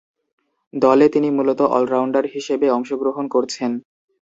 দলে তিনি মূলতঃ অল-রাউন্ডার হিসেবে অংশগ্রহণ করছেন।